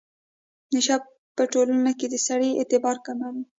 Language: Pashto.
نشه په ټولنه کې د سړي اعتبار کموي.